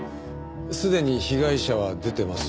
すでに被害者は出てます。